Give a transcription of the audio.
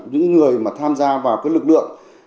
những người mà tham gia vào cái lực lượng